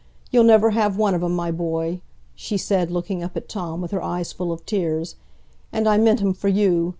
You'll never have one of 'em, my boy," she said, looking up at Tom with her eyes full of tears, "and I meant 'em for you.